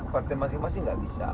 partai masing masing nggak bisa